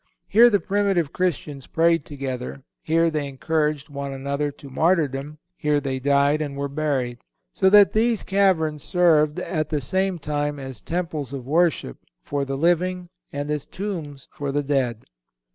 Here the primitive Christians prayed together, here they encouraged one another to martyrdom, here they died and were buried; so that these caverns served at the same time as temples of worship for the living and as tombs for the dead.